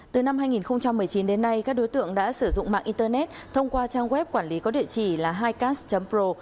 từ năm hai nghìn một mươi chín đến nay các đối tượng đã sử dụng mạng internet thông qua trang web quản lý có địa chỉ là hicast pro